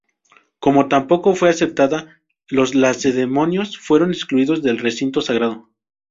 Como tampoco fue aceptada, los lacedemonios fueron excluidos del recinto sagrado.